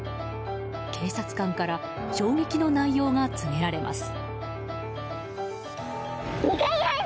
警察官から衝撃の内容が告げられます。